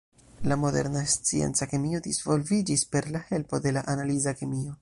La moderna scienca kemio disvolviĝis per la helpo de la analiza kemio.